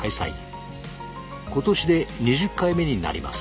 今年で２０回目になります。